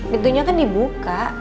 pintunya kan dibuka